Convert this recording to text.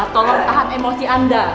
tolong tahan emosi anda